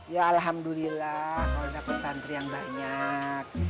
yaa alhamdulillah kalo dapet santri yang banyak